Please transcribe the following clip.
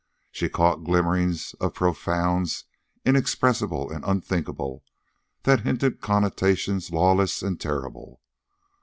She caught glimmerings of profounds inexpressible and unthinkable that hinted connotations lawless and terrible.